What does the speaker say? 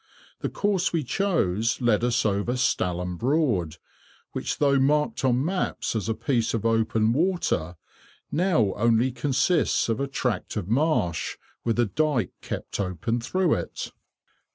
The course we chose led us over Stalham Broad, which, though marked on maps as a piece of open water, now only consists of a tract of marsh, with a dyke kept open through it.